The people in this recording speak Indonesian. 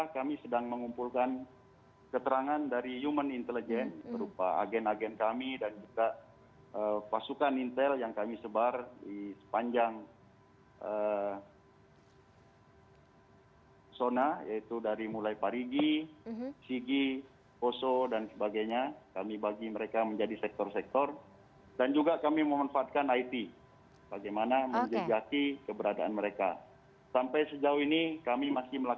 kepala penanggung jawab kendali operasi managorayam irjen paul rudi sufahriyadi menegaskan pasca alikalora tewas